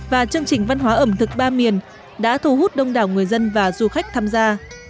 và chương trình văn hóa ẩm thực ba miền đã thu hút đông đảo người dân và du khách tham gia